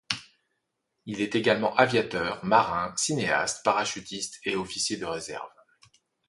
Il est également aviateur, marin, cinéaste, parachutiste et officier de réserve.